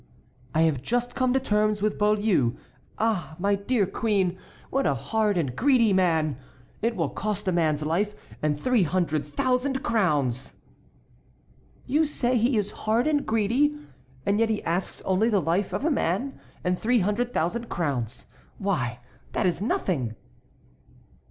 "I have just come to terms with Beaulieu. Ah! my dear queen, what a hard and greedy man! It will cost a man's life, and three hundred thousand crowns." "You say he is hard and greedy—and yet he asks only the life of a man and three hundred thousand crowns. Why, that is nothing!"